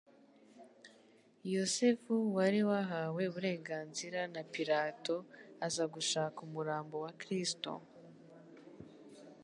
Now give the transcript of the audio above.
Yosefu wari wahawe uburenganzira na Pilato aza gushaka umurambo wa Kristo,